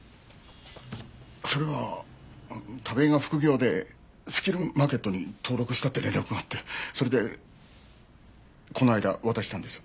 それは田部井が副業でスキルマーケットに登録したって連絡があってそれでこの間渡したんです。